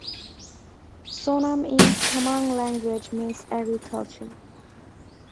Sonam in Tamang language means agriculture.